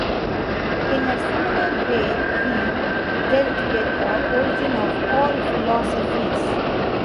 In a similar way he dealt with the origin of all philosophies.